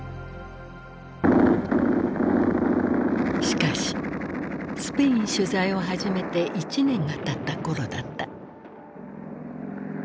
しかしスペイン取材を始めて１年がたった頃だった。